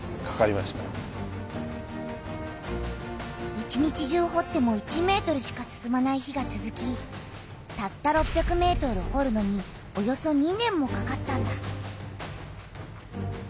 一日中ほっても１ｍしか進まない日がつづきたった６００ｍほるのにおよそ２年もかかったんだ。